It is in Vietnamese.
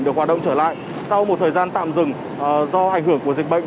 được hoạt động trở lại sau một thời gian tạm dừng do ảnh hưởng của dịch bệnh